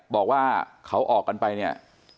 บอกว่าเขาออกกันไป